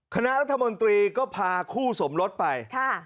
คณะรัฐมนตรีก็พาคู่สมรสไป